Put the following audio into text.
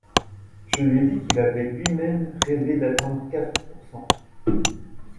Je lui ai dit qu’il avait lui-même rêvé d’atteindre quatre pourcent.